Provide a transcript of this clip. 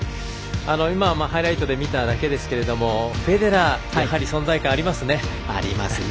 今、ハイライトで見ただけですけどもフェデラーやはり存在感ありますね。